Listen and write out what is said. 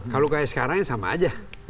kalau kayak sekarang ya sama aja